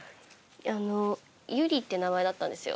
あの「ユリ」って名前だったんですよ